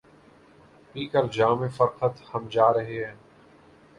پی کر جام فرقت ہم جا رہے ہیں